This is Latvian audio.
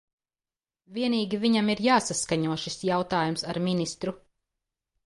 Vienīgi viņam ir jāsaskaņo šis jautājums ar ministru.